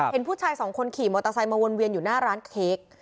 เห็นผู้ชายสองคนขี่มอเตอร์ไซค์มาวนเวียนอยู่หน้าร้านเค้ก